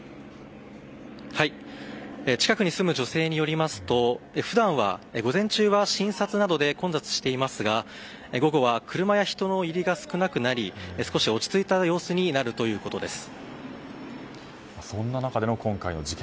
近くに住む女性によりますと普段は午前中は診察などで混雑していますが午後は車や人の入りが少なくなり少し落ち着いた様子になるということです。